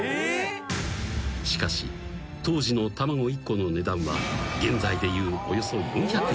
［しかし当時の卵１個の値段は現在でいうおよそ］